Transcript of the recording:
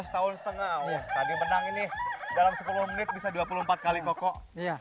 tadi menang ini dalam sepuluh menit bisa dua puluh empat kali kokok